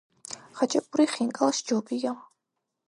ხაჭაპური ხინკალს ჯობია